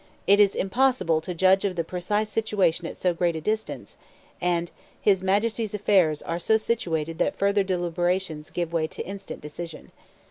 'It is impossible to judge of the precise situation at so great a distance' and 'His Majesty's affairs are so situated that further deliberations give way to instant decision.